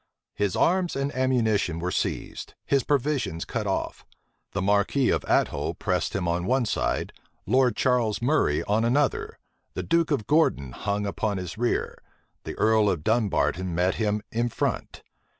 His arms and ammunition were seized, his provisions cut off: the marquis of Athole pressed him on one side; Lord Charles Murray on another; the duke of Gordon hung upon his rear; the earl of Dunbarton met him in front.